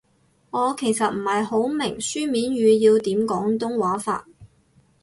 我其實唔係好明書面語要點廣東話法